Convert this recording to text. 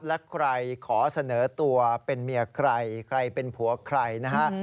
และใครขอเสนอตัวเป็นเมียใครใครเป็นผัวใครนะฮะ